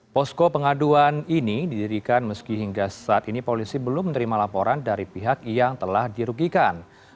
posko pengaduan ini didirikan meski hingga saat ini polisi belum menerima laporan dari pihak yang telah dirugikan